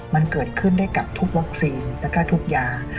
มันเกิดขึ้นได้กับทุกวัคซีนแล้วก็ทุกยา